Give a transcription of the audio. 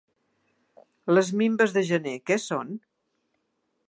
Les minves de gener què són?